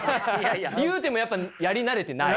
言うてもやっぱやり慣れてない。